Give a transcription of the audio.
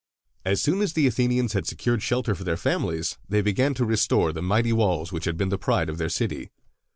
As soon as the Athenians had secured shelter for their families, they began to restore the mighty walls which had been the pride of their city.